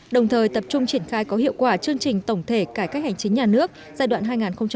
đồng thời tập trung triển khai có hiệu quả chương trình tổng thể cải cách hành chính nhà nước